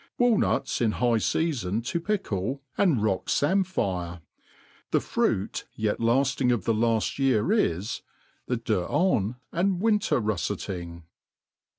Walnuts in high feafon to pickle, and rock pimpfaire. The fruit yet laAing of the laft year is, the deuxans and win ter rufleting.